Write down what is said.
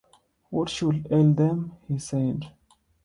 ‘What should ail them?’ he said.